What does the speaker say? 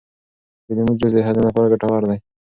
د لیمو جوس د هضم لپاره ګټور دی.